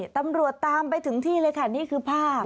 ตำรวจตามไปถึงที่เลยค่ะนี่คือภาพ